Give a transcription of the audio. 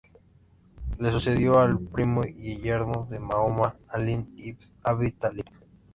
Le sucedió el primo y yerno de Mahoma, Alí ibn Abi Tálib.